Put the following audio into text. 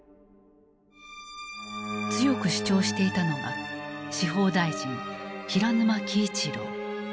強く主張していたのが司法大臣・平沼騏一郎。